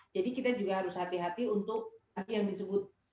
jadi kita juga harus hati hati untuk yang disebut